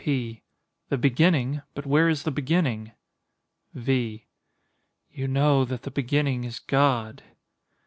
P. The beginning! But where is the beginning? V. You know that the beginning is GOD.